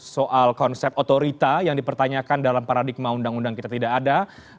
soal konsep otorita yang dipertanyakan dalam paradigma undang undang kita tidak ada